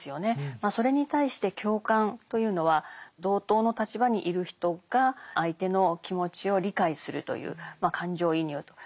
それに対して共感というのは同等の立場にいる人が相手の気持ちを理解するというまあ感情移入と。